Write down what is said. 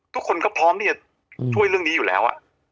ทุกคนก็พร้อมที่จะช่วยเรื่องนี้อยู่แล้ว